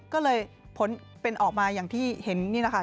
ก็เลยผลเป็นออกมาอย่างที่เห็นนี่แหละค่ะ